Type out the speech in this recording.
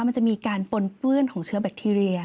มันจะมีการปนเปื้อนของเชื้อแบคทีเรีย